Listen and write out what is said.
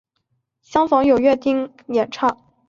相逢有乐町演唱。